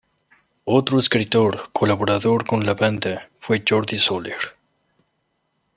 Otro escritor colaborador con la banda fue Jordi Soler.